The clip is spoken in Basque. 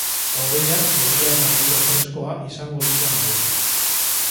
Hodeiak, euria eta giro freskoa izango dira nagusi.